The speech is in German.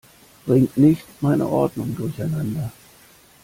Bring nicht meine Ordnung durcheinander!